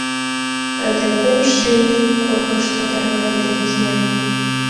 Ынде кумшо ий койкышто тарваныде кия.